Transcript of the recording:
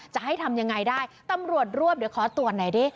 จะให้ทำยังไงได้ตำรวจรวบเดี๋ยวขอตรวจหน่อยดิ